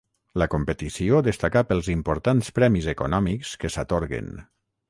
La competició destacà pels importants premis econòmics que s'atorguen.